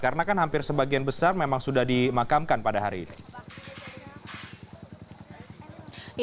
karena kan hampir sebagian besar memang sudah dimakamkan pada hari ini